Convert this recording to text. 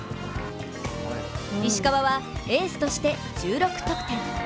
石川は、エースとして１６得点。